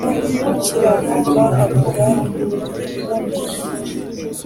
ukiranuka avuga ibiboneye s